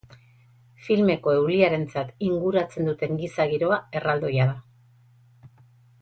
Filmeko eulientzat inguratzen duten giza giroa erraldoia da.